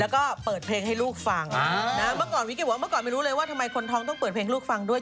แล้วก็เปิดเพลงให้ลูกฟังเมื่อก่อนวิกิบอกเมื่อก่อนไม่รู้เลยว่าทำไมคนท้องต้องเปิดเพลงลูกฟังด้วย